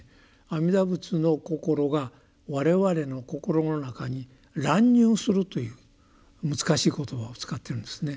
阿弥陀仏の心が我々の心の中に「攬入」するという難しい言葉を使ってるんですね。